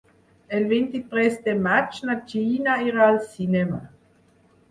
El vint-i-tres de maig na Gina irà al cinema.